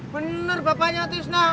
bener bapaknya tisna